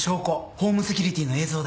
ホームセキュリティーの映像だ。